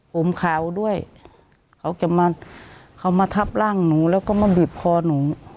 ผมขาวด้วยเขาจะมาเขามาทับร่างหนูแล้วก็มาบีบคอหนู